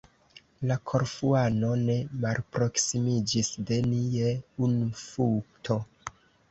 La Korfuano ne malproksimiĝis de ni je unu futo.